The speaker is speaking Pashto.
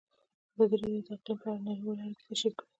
ازادي راډیو د اقلیم په اړه نړیوالې اړیکې تشریح کړي.